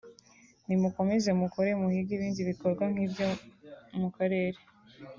nimukomeze mukore muhige ibindi bikorwa nk’ibyo byo mu karere